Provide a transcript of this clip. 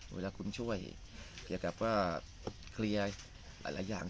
เวลาคุณช่วยเกี่ยวกับว่าเคลียร์หลายอย่าง